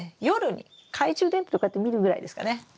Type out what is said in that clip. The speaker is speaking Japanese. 夜に懐中電灯でこうやって見るぐらいですかね。